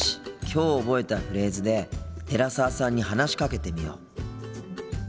きょう覚えたフレーズで寺澤さんに話しかけてみよう。